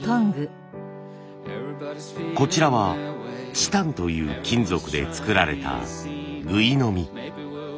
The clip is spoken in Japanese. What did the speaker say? こちらはチタンという金属で作られたぐいのみ。